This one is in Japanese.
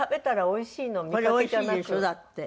おいしいの。